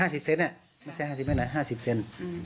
๕๐เซนไม่ใช่๕๐เม็ดนะ๕๐เซน